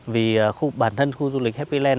vì bản thân khu du lịch happyland